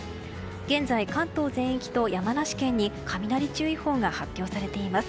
現在、関東全域と山梨県に雷注意報が発表されています。